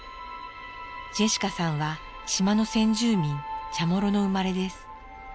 ジェシカさんは島の先住民チャモロの生まれです。